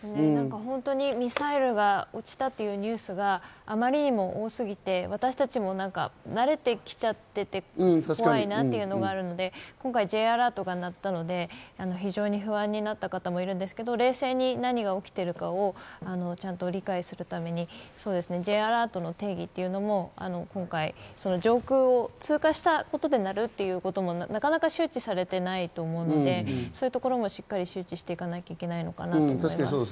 ミサイルが落ちたというニュースがあまりにも多すぎて、私たちも慣れてきちゃっていて、怖いなというのがあるので、今回Ｊアラートが鳴ったので、非常に不安になった方もいるんですけど、冷静になにが起きているかをちゃんと理解するためにＪアラートの定義というのも今回上空を通過したことで鳴るということもなかなか周知されていないと思うのでそういうところもしっかり周知していかないといけないのかなと思います。